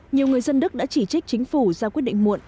nhiều người dân đức đã chỉ trích chính phủ ra quyết định muộn